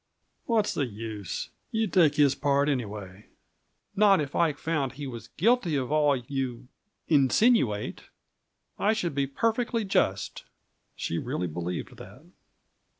"What's the use? You'd take his part, anyway." "Not if I found he was guilty of all you insinuate. I should be perfectly just." She really believed that.